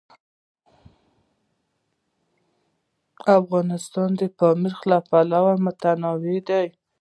افغانستان د پامیر له پلوه متنوع دی.